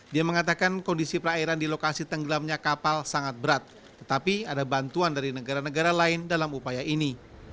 dia mengatakan kondisi perairan di lokasi tenggelamnya kapal sangat berat tetapi ada bantuan dari negara negara lain dalam upaya ini